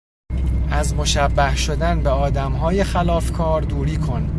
از مشبه شدن به آدمهای خلافکار دوری کن